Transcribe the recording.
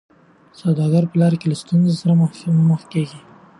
سوداګر په لاره کي له ستونزو سره مخ کیږي.